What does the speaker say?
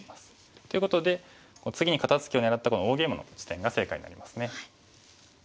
ということで次に肩ツキを狙ったこの大ゲイマの地点が正解になりますね。